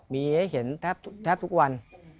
มีให้เห็นแทบทุกวัน